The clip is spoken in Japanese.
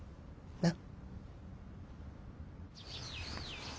なっ。